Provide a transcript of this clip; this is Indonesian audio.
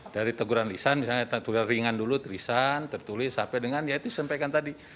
dari teguran lisan misalnya tulis ringan dulu tertulis sampai dengan ya itu sampaikan tadi